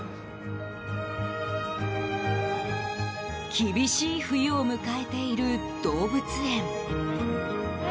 厳しい冬を迎えている動物園。